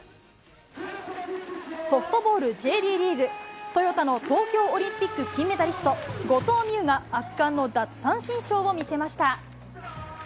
ソフトボールＪＤリーグ、トヨタの東京オリンピック金メダリスト、後藤希友が圧巻の奪三振ショーを見せました。